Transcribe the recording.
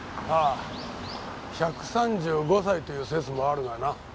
ああ１３５歳という説もあるがな。